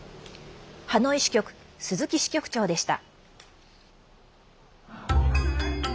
ハノイ支局、鈴木支局長でした。